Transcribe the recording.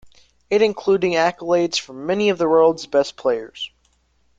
It including accolades from many of the world's best players.